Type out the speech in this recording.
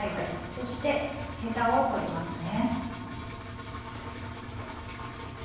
そしてヘタを取りますね。